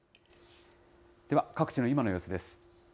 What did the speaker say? では、各地の今の様子です。